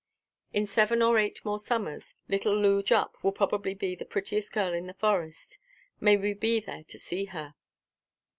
In seven or eight more summers, little Loo Jupp will probably be the prettiest girl in the Forest. May we be there to see her!